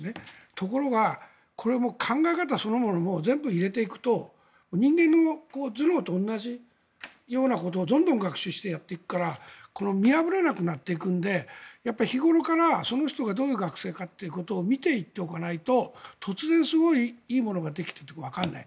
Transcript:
ところが、これは考え方そのものを全部入れていくと人間の頭脳と同じようなことをどんどん学習してやっていくから見破れなくなっていくので日頃からその人がどういう学生かということを見ておかないと突然すごいいいものができてるとわからない。